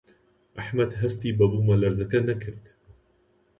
ئەحمەد هەستی بە بوومەلەرزەکە نەکرد.